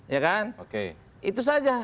ya kan itu saja